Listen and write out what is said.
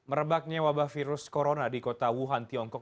merebaknya wabah virus corona di kota wuhan tiongkok